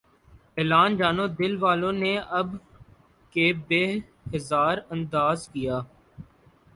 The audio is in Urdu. اعلان جنوں دل والوں نے اب کے بہ ہزار انداز کیا